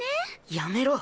やめろ。